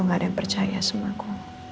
gak ada yang percaya sama kok